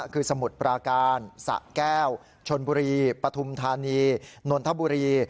คือสมุทรปราการสะแก้วชนบุรีปฐุมธานีนนทบุรี